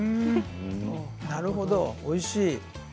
なるほどおいしい。